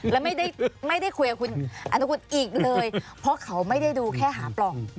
และไม่ได้คุยกับคุณอนุกุลอีกเลยเพราะเขาไม่ได้ดูแค่หาปล่อง